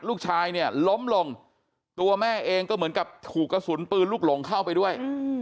ลูกชายเนี่ยล้มลงตัวแม่เองก็เหมือนกับถูกกระสุนปืนลูกหลงเข้าไปด้วย